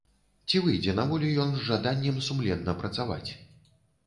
Ці выйдзе на волю ён з жаданнем сумленна працаваць?